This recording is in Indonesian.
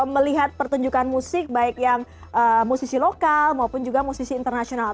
melihat pertunjukan musik baik yang musisi lokal maupun juga musisi internasional